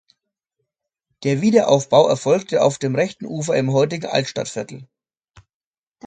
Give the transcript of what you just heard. Der Wiederaufbau erfolgte auf dem rechten Ufer im heutigen Altstadtviertel.